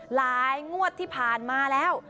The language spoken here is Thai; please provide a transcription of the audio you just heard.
งวดที่ผ่านมาแล้ว